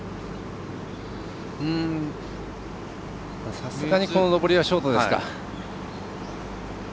さすがにこの残りはショートですか。